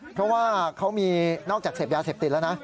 เพราะว่าเขามีนอกจากเสพยาเสพติดแล้วนะ